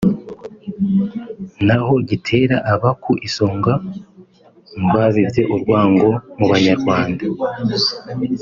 naho Gitera aba ku isonga mu babibye urwango mu Banyarwanda